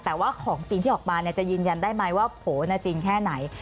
แต่ว่าของจริงที่ออกมาจะยืนยันได้ไหมว่าโผล่จริงแค่ไหน